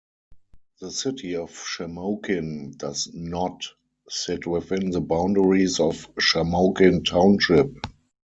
The city of Shamokin does "not" sit within the boundaries of Shamokin Township.